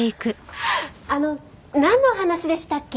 あのなんの話でしたっけ？